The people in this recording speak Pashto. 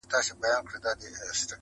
داسي ژوند کي لازمي بولمه مینه,